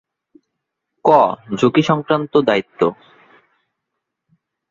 ক. ঝুঁকিসংক্রান্ত দায়িত্ব